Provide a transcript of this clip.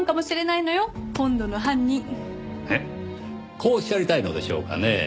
こうおっしゃりたいのでしょうかねぇ。